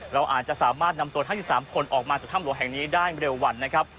เราอาจจะสามารถนำตัวทั้ง๑๓คนออกมาจากถ้ำหลวงแห่งนี้ได้เร็ววันนะครับ